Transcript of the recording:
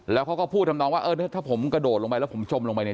แล้วเขาก็พูดทำนองว่าเออถ้าผมกระโดดลงไปแล้วผมจมลงไปเนี่ย